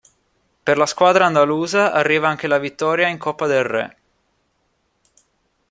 Per la squadra andalusa arriva anche la vittoria in Coppa del Re.